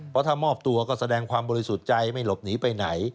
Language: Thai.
เพราะถ้ามอบตัวก็แสดงความบริสุทธิ์ใจไม่หลบหนีไปไหน